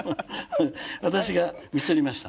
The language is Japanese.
私がミスりました。